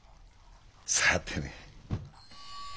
さあてね。